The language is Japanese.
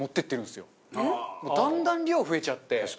だんだん量増えちゃって。